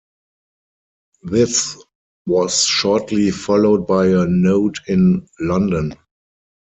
This was shortly followed by a node in London.